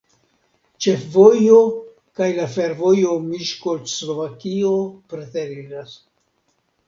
Ĉefvojo kaj la fervojo Miskolc-Slovakio preteriras.